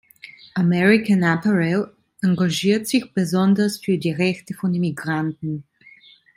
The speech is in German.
American Apparel engagiert sich besonders für die Rechte von Immigranten.